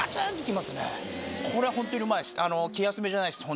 これはホントにうまいです。